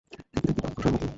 সে কি দেখতে মাকড়সার মতো?